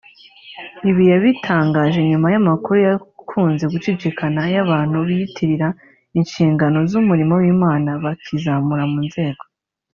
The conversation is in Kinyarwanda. Ibi yabitangaje nyuma y’amakuru yakunze gucicikana y’abantu biyitirira inshingano z’umurimo w’Imana bakizamura mu nzego